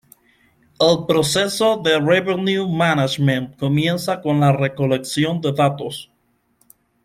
El proceso de Revenue Management comienza con la recolección de datos.